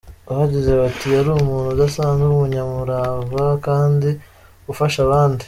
Bagize bati “Yari umuntu udasanzwe, umunyamurava kandi ufasha abandi.